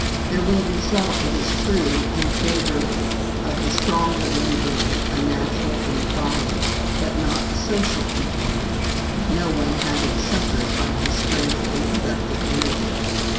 There will result, it is true, in favor of the stronger laborer a natural inequality, but not a social inequality; no one having suffered by his strength and productive energy.